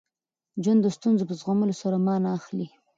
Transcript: ژوند د ستونزو په زغمولو سره مانا اخلي.